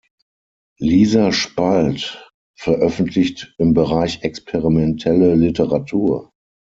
Lisa Spalt veröffentlicht im Bereich Experimentelle Literatur.